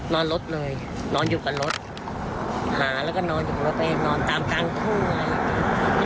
นอนรถเลยนอนอยู่กับรถหาแล้วก็นอนอยู่กับรถไปนอนตามกลางคู่เลย